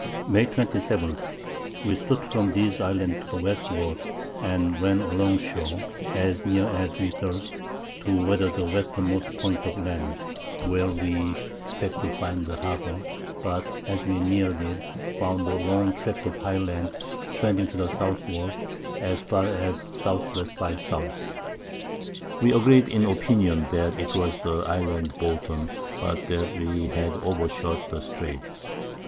May 27. We stood from these Islands to the Westward, and ran along Shore as near as we durst, to weather the Westermost Point of Land, where we expected to find a Harbour, but as we near'd it, found a long Tract of High Land, trending to the Southward, as far as S.W. by S. [Sidenote: At the Island of Bouton.] We agreed in Opinion that 'twas the Island Bouton, but that we had over shot the Straights.